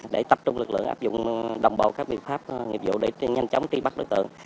để tập trung lực lượng áp dụng đồng bộ các biện pháp nghiệp vụ để nhanh chóng truy bắt đối tượng